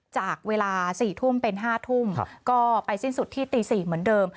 จากเวลา๔ทุ่มเป็น๕ทุ่มก็ไปสิ้นสุดที่ตี๔เหมือนเดิม